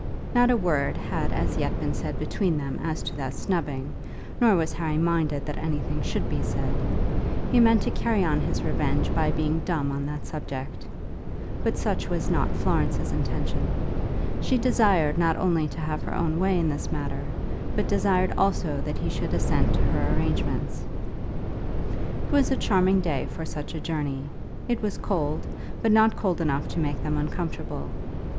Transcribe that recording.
Not a word had as yet been said between them as to that snubbing, nor was Harry minded that anything should be said. He meant to carry on his revenge by being dumb on that subject. But such was not Florence's intention. She desired not only to have her own way in this matter, but desired also that he should assent to her arrangements. It was a charming day for such a journey. It was cold, but not cold enough to make them uncomfortable.